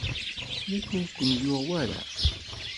Yak ur ken-yuɣ wara?